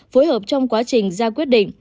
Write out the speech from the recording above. phối hợp trong quá trình ra quyết định